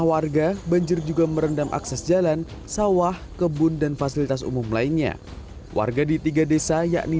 warga banjir juga merendam akses jalan sawah kebun dan fasilitas umum lainnya warga di tiga desa yakni